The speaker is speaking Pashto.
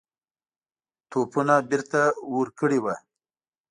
توپونه بیرته ورکړي وه.